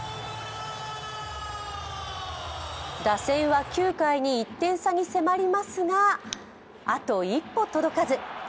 打線は９回に１点差に迫りますがあと一歩届かず。